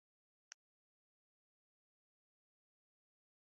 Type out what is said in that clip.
دا ولن تجد لسنة الله تبدیلا ده.